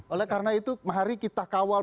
oleh karena itu mari kita kawal